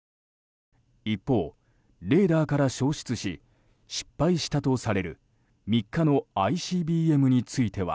一方、レーダーから消失し失敗したとされる３日のＩＣＢＭについては。